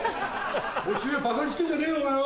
年寄りバカにしてんじゃねえよお前よ！